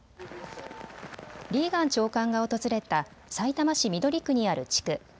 リーガン長官が訪れたさいたま市緑区にある地区。